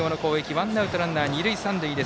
ワンアウトランナー、二塁三塁で